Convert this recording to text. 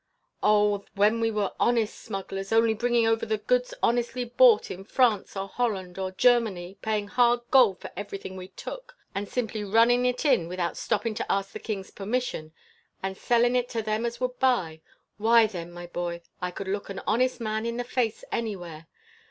"Oh! when we were honest smugglers, only bringing over the goods honestly bought in France, or Holland, or Germany, payin' hard gold for everything we took, and simply runnin' it in without stoppin' to ask the king's permission, and sellin' it to them as would buy why, then, my boy, I could look an honest man in the face anywhere.